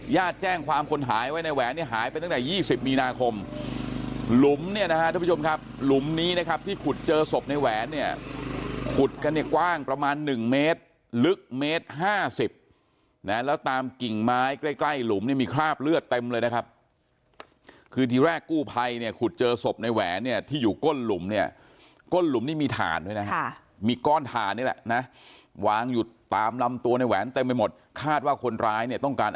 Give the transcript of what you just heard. ย่าแจ้งความคนหายไว้ในแหวนเนี่ยหายไปตั้งแต่๒๐มีนาคมหลุมเนี่ยนะฮะทุกผู้ชมครับหลุมนี้นะครับที่ขุดเจอศพในแหวนเนี่ยขุดกันเนี่ยกว้างประมาณ๑เมตรลึกเมตร๕๐แล้วตามกิ่งไม้ใกล้หลุมเนี่ยมีคราบเลือดเต็มเลยนะครับคือที่แรกกู้ไพ่เนี่ยขุดเจอศพในแหวนเนี่ยที่อยู่ก้นหลุมเนี่ยก